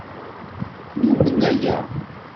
Numen aya.